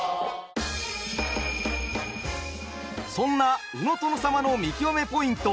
そんな「鵜の殿様」の見きわめポイント